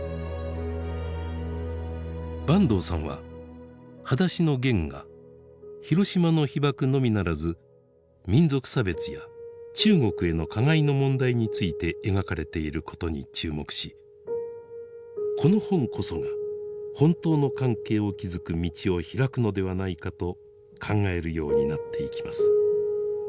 坂東さんは「はだしのゲン」が広島の被爆のみならず民族差別や中国への加害の問題について描かれていることに注目しこの本こそが本当の関係を築く道を開くのではないかと考えるようになっていきます。